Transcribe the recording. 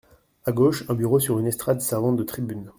À gauche, un bureau sur une estrade servant de tribune.